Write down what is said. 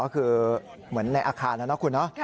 คือเหมือนในอาคารเลยนะคุณนะ